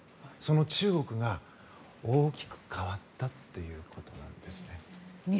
その中国が大きく変わったということなんです。